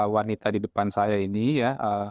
wanita di depan saya ini ya